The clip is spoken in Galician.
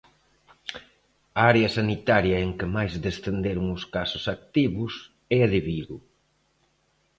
A área sanitaria en que máis descenderon os casos activos é a de Vigo.